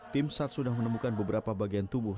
tim sar sudah menemukan beberapa bagian tubuh